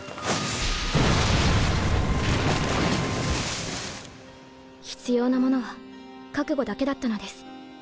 衝撃音必要なものは覚悟だけだったのです。